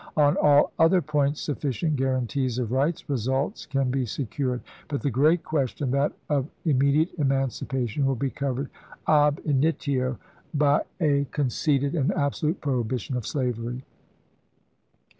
On all other points, sufficient guarantees of right results can be secured ; but the great question, that of immediate emancipation, will be covered, ah initio, by a con ceded and absolute prohibition of slavery.